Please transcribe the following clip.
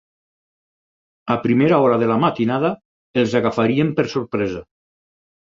A primera hora de la matinada, els agafaríem per sorpresa